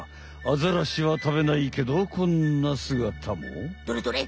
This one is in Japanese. アザラシはたべないけどこんなすがたも。どれどれ？